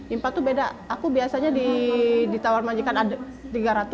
infal tuh beda aku biasanya di tawar banjikan ada tiga ratus